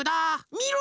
みろ！